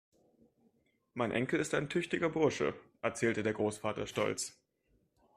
Mein Enkel ist ein tüchtiger Bursche, erzählte der Großvater stolz.